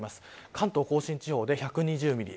関東甲信地方で１２０ミリ。